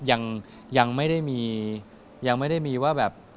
ยังไม่ได้มีว่าแบบ